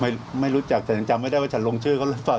ไม่ไม่รู้จักแต่ยังจำไม่ได้ว่าฉันลงชื่อเขาหรือเปล่า